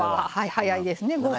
早いですね５分。